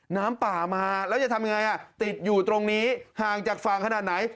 น้ำป่ามาแล้วจะทำยังไงติดอยู่ตรงนี้ห่างจากฝั่งขนาดไหน